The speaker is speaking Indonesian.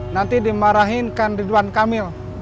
nanti dimarahinkan ridwan kamil